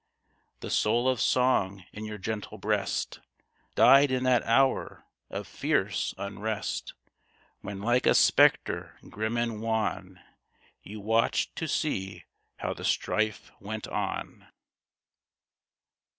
The soul of song in your gentle breast Died in that hour of fierce unrest. When like a spectre grim and wan, You watched to see how the strife went on.